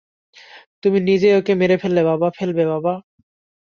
তুমি নিজেই ওকে মেরে ফেলবে বাবা।